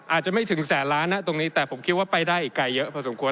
อาจจะไม่ถึงแสนล้านนะตรงนี้แต่ผมคิดว่าไปได้อีกไกลเยอะพอสมควร